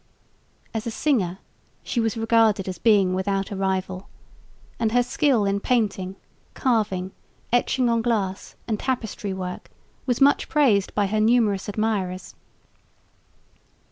As a singer she was regarded as being without a rival; and her skill in painting, carving, etching on glass and tapestry work was much praised by her numerous admirers.